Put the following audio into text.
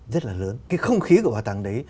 rất là lớn cái không khí của bảo tàng đấy